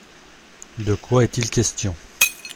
De quoi est-il question ?